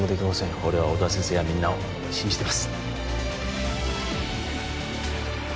俺は音羽先生やみんなを信じてます